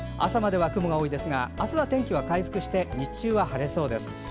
朝までは雲が多いですが明日は天気は回復して日中は晴れそうです。